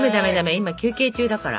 今休憩中だから。